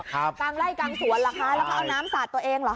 กลางไล่กลางสวนเหรอคะแล้วก็เอาน้ำสาดตัวเองเหรอ